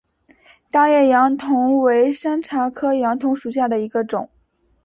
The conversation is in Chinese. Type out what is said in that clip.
大叶杨桐为山茶科杨桐属下的一个种。